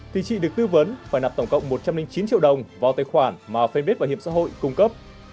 thì chị được tư vấn phải nạp tổng cộng một trăm linh chín triệu đồng vào tài khoản mà fanpage bảo hiểm xã hội cung cấp